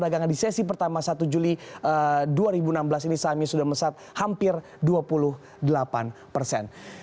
dagangan di sesi pertama satu juli dua ribu enam belas ini sahamnya sudah mesat hampir dua puluh delapan persen